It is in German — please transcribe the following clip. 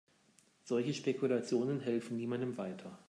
Solche Spekulationen helfen niemandem weiter.